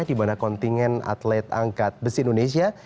dimana kontingen atlet angkat besi indonesia